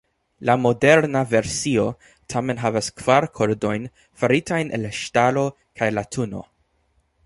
La moderna versio tamen havas kvar kordojn faritajn el ŝtalo kaj latuno.